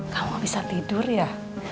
kamu bisa tidur ya